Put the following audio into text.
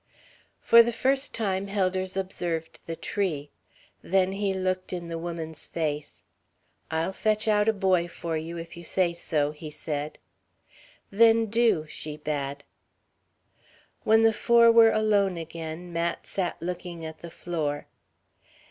For the first time Helders observed the tree. Then he looked in the woman's face. "I'll fetch out a boy for you if you say so," he said. "Then do," she bade. When the four were alone again, Mat sat looking at the floor.